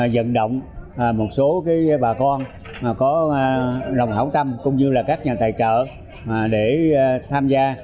dẫn động một số bà con có lòng hảo tâm cũng như là các nhà tài trợ để tham gia